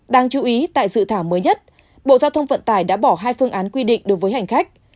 đáng chú ý tại dự thảo mới nhất bộ giao thông vận tải đã bỏ hai phương án quy định đối với hành khách